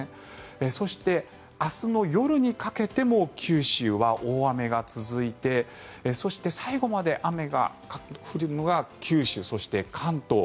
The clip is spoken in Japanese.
そして、明日の夜にかけても九州は大雨が続いてそして、最後まで雨が降るのが九州、そして関東。